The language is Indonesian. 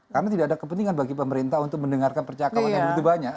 karena tidak ada kepentingan bagi pemerintah untuk mendengarkan percakapan yang begitu banyak